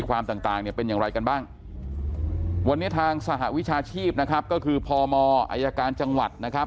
วันนี้ทางสหวิชาชีพนะครับก็คือพมอาทิการจังหวัดนะครับ